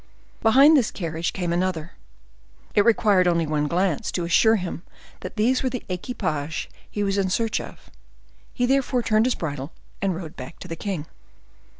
Behind this carriage came another. It required only one glance to assure him that these were the equipages he was in search of; he therefore turned his bridle, and rode back to the king.